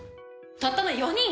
たったの４人！？